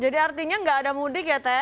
jadi artinya nggak ada mudik ya teh